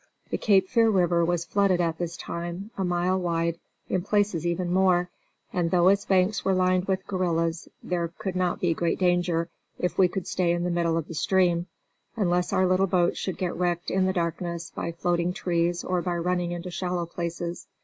The Cape Fear River was flooded at this time, a mile wide, in places even more, and though its banks were lined with guerrillas there could not be great danger, if we could stay in the middle of the stream, unless our little boat should get wrecked in the darkness by floating trees or by running into shallow places.